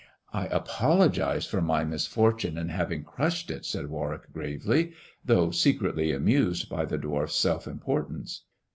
"I apologize for my misfortune in having crushed it," said Warwick gravely, though secretly amused by the dwarf's self importance.